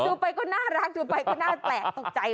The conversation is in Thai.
ดูไปก็น่ารักดูไปก็น่าแปลกตกใจ